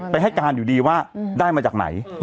ให้การอยู่ดีว่าได้มาจากไหน